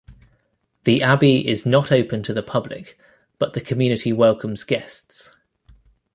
The Abbey is not open to the public, but the community welcomes guests.